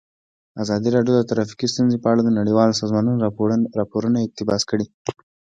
ازادي راډیو د ټرافیکي ستونزې په اړه د نړیوالو سازمانونو راپورونه اقتباس کړي.